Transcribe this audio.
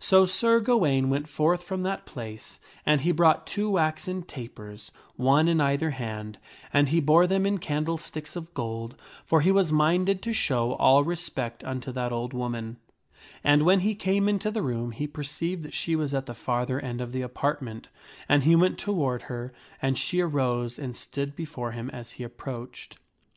So Sir Gawaine went forth from that place and he brought two waxen tapers, one in either hand, and he bore them in candlesticks of gold ; for he was minded to show all respect unto that old woman, j And when he SIK GAWAINE AND THE BEAUTIFUL LADY 309 came into the room he perceived that she was at the farther end of the apartment and he went toward her, and she arose and stood before him as he^approached.